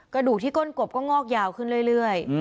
กระดูกที่ก้นกบก็งอกยาวขึ้นเรื่อย